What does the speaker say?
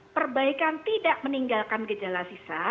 perbaikan tidak meninggalkan gejala sisa